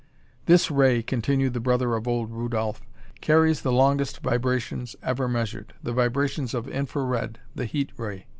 "This ray," continued the brother of old Rudolph, "carries the longest vibrations ever measured, the vibrations of infra red, the heat ray.